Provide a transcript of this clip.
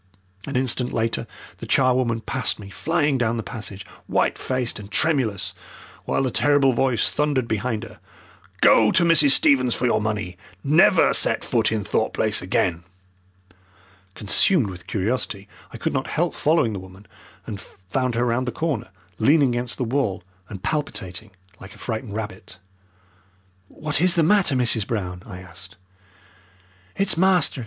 An instant later the charwoman passed me, flying down the passage, white faced and tremulous, while the terrible voice thundered behind her. "Go to Mrs. Stevens for your money! Never set foot in Thorpe Place again!" Consumed with curiosity, I could not help following the woman, and found her round the corner leaning against the wall and palpitating like a frightened rabbit. "What is the matter, Mrs. Brown?" I asked. "It's master!"